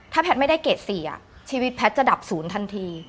ถ้าแพทย์ไม่ได้เกรด๔ชีวิตแพทย์จะดับศูนย์ทันที